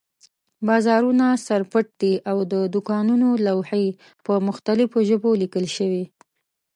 بازارونه سر پټ دي او د دوکانونو لوحې په مختلفو ژبو لیکل شوي.